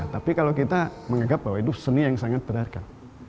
tapi kalau kita menganggap bahwa itu seni yang sangat berharga